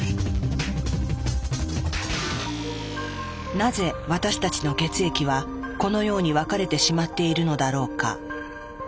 なぜ私たちの血液はこのように分かれてしまっているのだろうか？